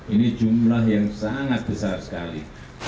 ini jumlah yang sangat besar sekali